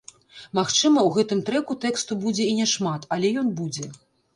Магчыма, у гэтым трэку тэксту будзе і няшмат, але ён будзе.